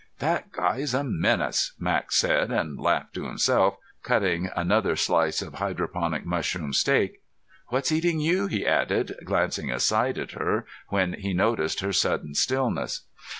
"That guy's a menace," Max said, and laughed to himself, cutting another slice of hydroponic mushroom steak. "What's eating you?" he added, glancing aside at her when he noticed her sudden stillness.